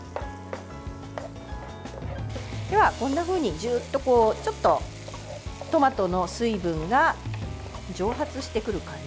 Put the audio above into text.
こんなふうにジューッとちょっとトマトの水分が蒸発してくる感じ